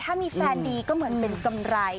ถ้ามีแฟนดีก็เหมือนเป็นกำไร